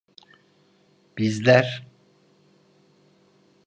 Bizler…